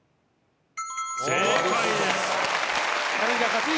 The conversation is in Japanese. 正解です。